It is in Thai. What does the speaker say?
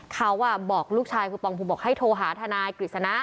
เขาบอกลูกชายคือปองภูมิบอกให้โทรหาทนายกฤษณะ